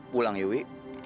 pulang ya wi